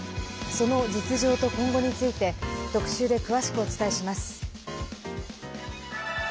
その実情と今後について特集で詳しくお伝えします。